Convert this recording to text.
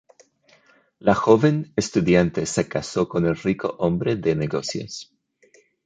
La joven estudiante se casó con el rico hombre de negocios.